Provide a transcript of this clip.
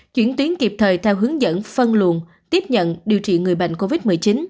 chuyển tuyến kịp thời theo hướng dẫn phân luồn tiếp nhận điều trị người bệnh covid một mươi chín